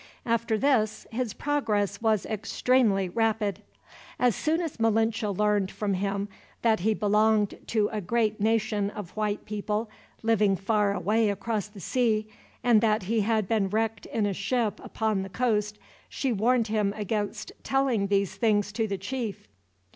After this his progress was extremely rapid. As soon as Malinche learned, from him, that he belonged to a great nation of white people, living far away across the sea, and that he had been wrecked in a ship upon the coast, she warned him against telling these things to the chief.